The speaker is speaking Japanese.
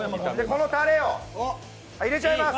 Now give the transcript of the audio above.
このタレを入れちゃいます。